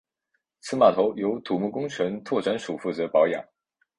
此码头由土木工程拓展署负责保养。